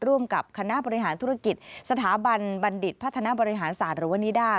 ร่วมกับคณะบริหารธุรกิจสถาบันบัณฑิตพัฒนาบริหารศาสตร์หรือว่านิด้า